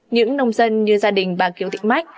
những nông dân như gia đình bà kiều thị mách